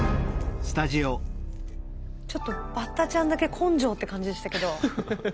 ちょっとバッタちゃんだけ根性って感じでしたけど。